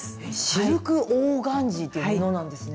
シルクオーガンジーという布なんですね。